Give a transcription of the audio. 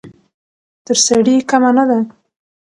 تر سړي کمه نه ده.